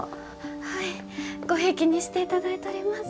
はいごひいきにしていただいとります。